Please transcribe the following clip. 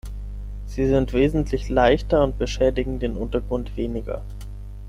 Sie sind wesentlich leichter und beschädigen den Untergrund weniger.